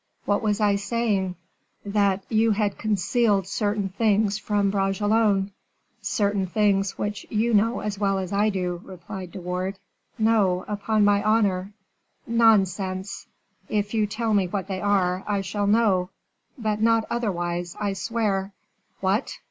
"What was I saying?" "That you had concealed certain things from Bragelonne." "Certain things which you know as well as I do," replied De Wardes. "No, upon my honor." "Nonsense." "If you tell me what they are, I shall know, but not otherwise, I swear." "What!